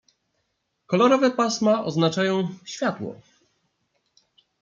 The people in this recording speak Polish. "Kolorowe pasma oznaczają światło."